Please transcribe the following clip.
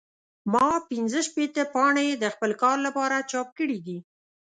ما پنځه شپېته پاڼې د خپل کار لپاره چاپ کړې دي.